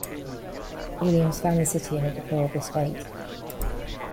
Williams found the city in a deplorable state.